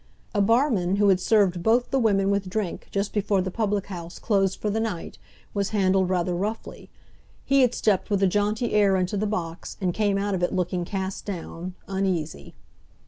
A barman, who had served both the women with drink just before the public house closed for the night, was handled rather roughly. He had stepped with a jaunty air into the box, and came out of it looking cast down, uneasy.